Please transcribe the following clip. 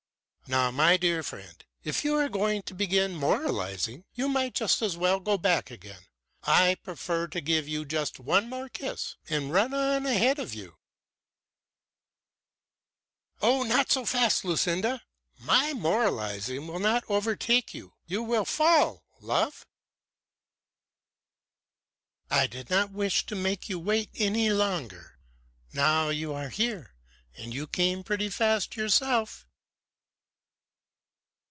"Now, my dear friend, if you are going to begin moralizing, we might just as well go back again. I prefer to give you just one more kiss and run on ahead of you." "Oh, not so fast, Lucinda! My moralizing will not overtake you. You will fall, love!" "I did not wish to make you wait any longer. Now we are here. And you came pretty fast yourself."